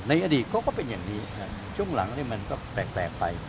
อดีตเขาก็เป็นอย่างนี้ช่วงหลังมันก็แปลกไป